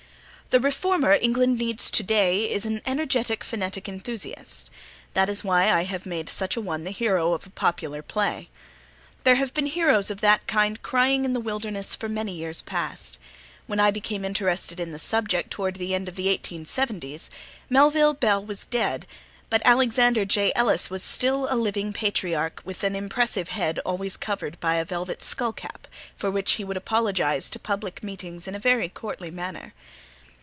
The reformer England needs today is an energetic phonetic enthusiast: that is why I have made such a one the hero of a popular play. There have been heroes of that kind crying in the wilderness for many years past. When I became interested in the subject towards the end of the eighteen seventies, Melville Bell was dead; but Alexander J. Ellis was still a living patriarch, with an impressive head always covered by a velvet skull cap, for which he would apologize to public meetings in a very courtly manner.